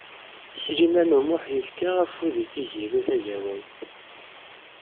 Sliman U Muḥ yefka afud i Tiziri Tagawawt.